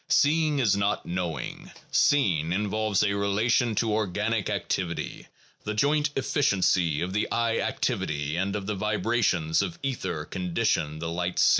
Seeing is not knowing; 'seen' involves a relation to organic activity; the joint efficiency of the eye activity and of the vi brations of ether condition the seen light.